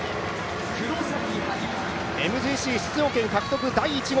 ＭＧＣ出場権獲得第１号。